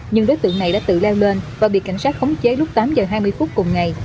nhưng đối tượng này đã tự leo lên và bị cảnh sát khống chế lúc tám giờ hai mươi phút cùng ngày